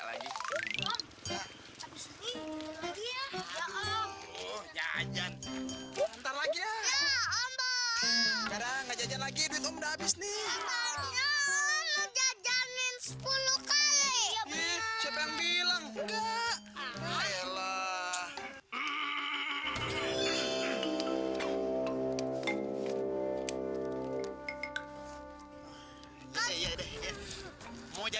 sampai jumpa di video selanjutnya